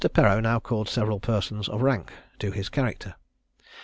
Perreau now called several persons of rank to his character.